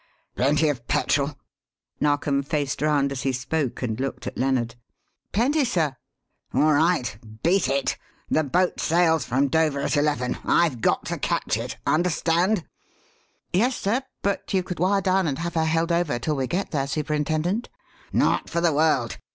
"Plenty of petrol?" Narkom faced round as he spoke and looked at Lennard. "Plenty, sir." "All right beat it! The boat sails from Dover at eleven. I've got to catch it. Understand?" "Yes, sir. But you could wire down and have her held over till we get there, Superintendent." "Not for the world!